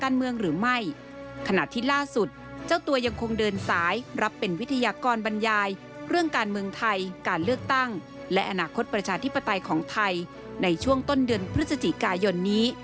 ในช่วงต้นเดือนพฤศจิกายนนี้